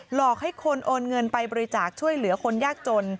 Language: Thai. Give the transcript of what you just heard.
หลอกให้คนโอนเงินไปบริจาคช่วยเหลือคนยากจน